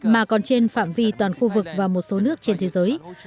mà còn trên phạm vi toàn khu vực và một số nước trên thế giới